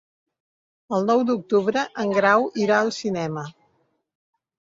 El nou d'octubre en Grau irà al cinema.